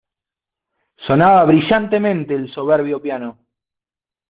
Sonaba brillantemente el soberbio piano.